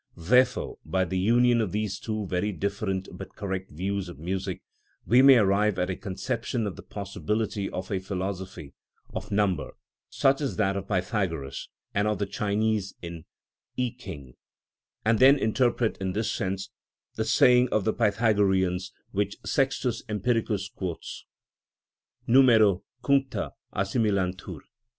Therefore by the union of these two very different but correct views of music we may arrive at a conception of the possibility of a philosophy of number, such as that of Pythagoras and of the Chinese in Y King, and then interpret in this sense the saying of the Pythagoreans which Sextus Empiricus quotes (adv. Math., L. vii.): τῳ αριθμῳ δε τα παντ᾽ επεοικεν (numero cuncta assimilantur).